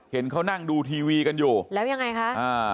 เห็นเขานั่งดูทีวีกันอยู่แล้วยังไงคะอ่า